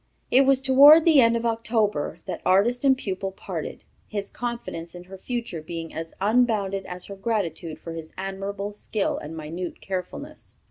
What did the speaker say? It was toward the end of October that artist and pupil parted, his confidence in her future being as unbounded as her gratitude for his admirable skill and minute carefulness."